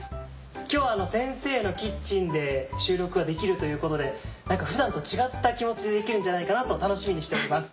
今日先生のキッチンで収録ができるということで普段と違った気持ちでできるんじゃないかなと楽しみにしております